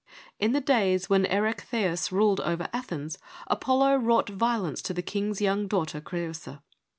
' In the days when Erechtheus ruled over Athens, Apollo wrought violence to the king's young daughter Creusa.